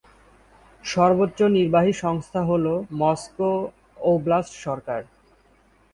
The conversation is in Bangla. সর্বোচ্চ নির্বাহী সংস্থা হ'ল মস্কো ওব্লাস্ট সরকার।